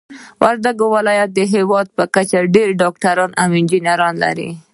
وردګ ولايت د هيواد په کچه ډير ډاکټران او انجنيران لري.